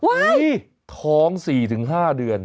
ว้ายท้อง๔๕เดือน